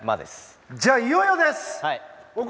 じゃあ、いよいよです！